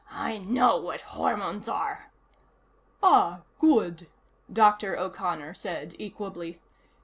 "I know what hormones are." "Ah. Good," Dr. O'Connor said equably.